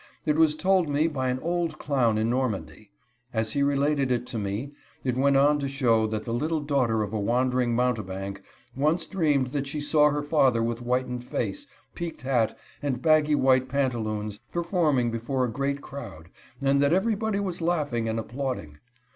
It was told me by an old clown in Normandy. As he related it to me, it went on to show that the little daughter of a wandering mountebank once dreamed that she saw her father with whitened face, peaked hat, and baggy white pantaloons, performing before a great crowd, and that everybody was laughing and applauding.